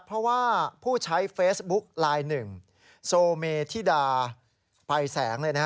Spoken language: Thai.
เพราะว่าผู้ใช้เฟซบุ๊กไลน์หนึ่งโซเมธิดาภัยแสง